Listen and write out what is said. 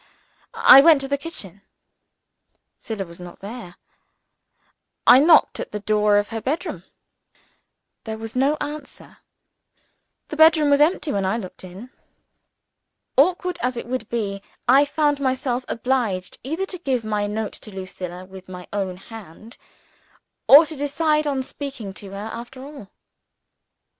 I went to the kitchen. Zillah was not there. I knocked at the door of her bed room. There was no answer: the bed room was empty when I looked in. Awkward as it would be, I found myself obliged, either to give my note to Lucilla with my own hand, or to decide on speaking to her, after all.